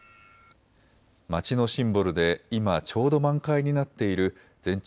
町のシンボルで今ちょうど満開になっている全長